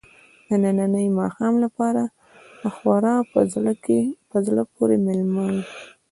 د ننني ماښام لپاره خورا په زړه پورې مېله وه.